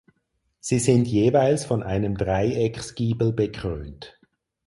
Sie sind jeweils von einem Dreiecksgiebel bekrönt.